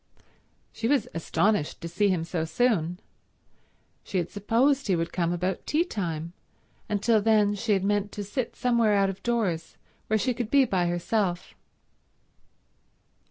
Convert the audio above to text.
She was astonished to see him so soon. She had supposed he would come about tea time, and till then she had meant to sit somewhere out of doors where she could be by herself.